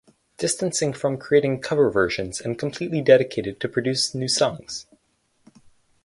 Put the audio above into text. Distancing from creating cover versions and completely dedicated to produce new songs.